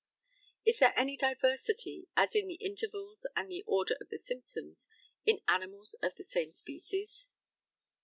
Is there any diversity, as in the intervals and the order of the symptoms, in animals of the same species?